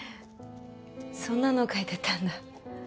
そんなの書いてたんだ。